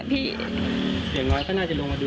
อย่างน้อยก็น่าจะลงมาดู